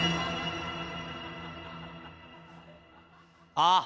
あっ！